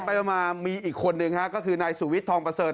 ไปมามีอีกคนนึงฮะก็คือนายสุวิทย์ทองประเสริญ